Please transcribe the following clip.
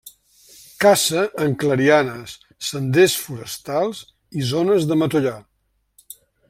Caça en clarianes, senders forestals i zones de matollar.